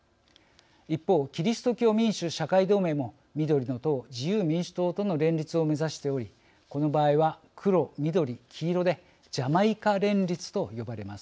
一方、キリスト教民主社会同盟も緑の党、自由民主党との連立を目指しておりこの場合は、黒、緑、黄色で「ジャマイカ連立」と呼ばれます。